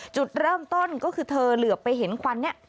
จุดเริ่มต้นก็คือเธอเหลือไปเห็นควันเนี่ย